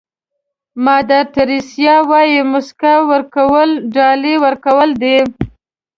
مادر تریسیا وایي موسکا ورکول ډالۍ ورکول دي.